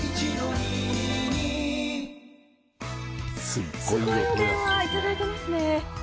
すごい電話いただいてます。